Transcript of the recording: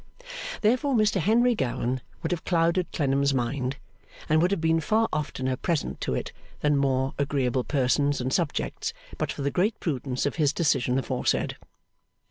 Therefore Mr Henry Gowan would have clouded Clennam's mind, and would have been far oftener present to it than more agreeable persons and subjects but for the great prudence of his decision aforesaid.